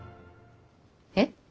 えっ？